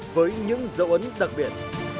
với những dấu ấn đặc biệt